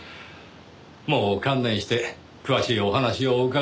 もう観念して詳しいお話をお伺いできませんか？